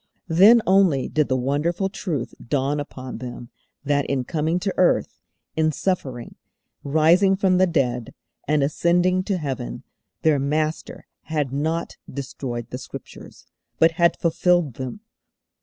Then only did the wonderful truth dawn upon them that in coming to earth, in suffering, rising from the dead, and ascending to Heaven, their Master had not destroyed the Scriptures, but had fulfilled them.